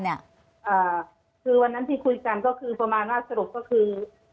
คือวันนั้นที่คุยกันก็คือประมาณว่าสรุปก็คือ